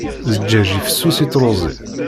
Zzǧaǧ fessus i truẓi.